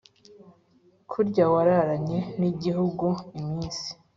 kurya wararanye n'igihugu iminsi